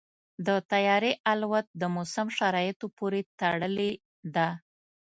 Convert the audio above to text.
د طیارې الوت د موسم شرایطو پورې تړلې ده.